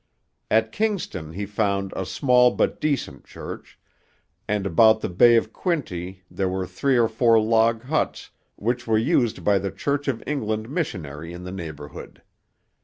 At Kingston he found 'a small but decent church,' and about the Bay of Quinte there were three or four log huts which were used by the Church of England missionary in the neighbourhood.